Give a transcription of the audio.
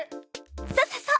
そうそうそう！